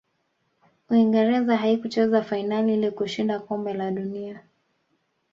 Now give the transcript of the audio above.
uingereza haikucheza fainali ili kushinda kombe la dunia